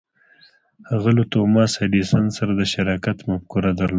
هغه له توماس ایډېسن سره د شراکت مفکوره درلوده.